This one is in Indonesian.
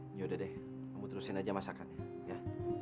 ini udah deh kamu terusin aja masakannya ya